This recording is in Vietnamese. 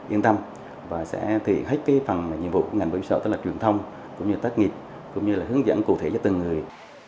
yên tâm và sẽ thực hiện hết phần nhiệm vụ của ngành mỹ sậu tức là truyền thông cũng như tác nghiệp cũng như là hướng dẫn cụ thể cho từng người